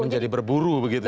menjadi berburu begitu ya